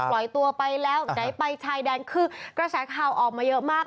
ปล่อยตัวไปแล้วไหนไปชายแดนคือกระแสข่าวออกมาเยอะมาก